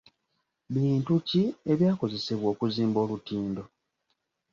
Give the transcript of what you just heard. Bintu ki ebyakozesebwa okuzimba olutindo?